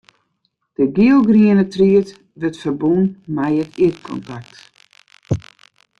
De gielgriene tried wurdt ferbûn mei it ierdkontakt.